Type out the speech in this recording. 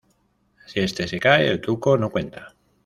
Si este se cae, el truco no cuenta.